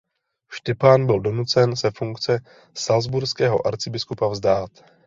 Štěpán byl donucen se funkce salcburského arcibiskupa vzdát.